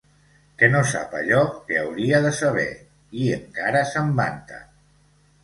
Que no sap allò que hauria de saber, i encara se'n vanta.